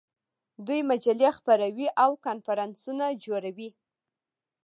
دوی مجلې خپروي او کنفرانسونه جوړوي.